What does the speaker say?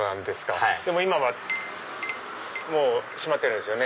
今はもう閉まってるんですよね。